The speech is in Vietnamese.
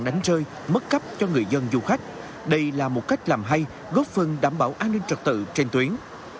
đánh rơi mất cấp cho người dân du khách đây là một cách làm hay góp phần đảm bảo an ninh trật tự trên tuyến